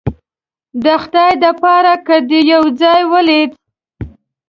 د خدای د پاره که دې یو ځای ولیدل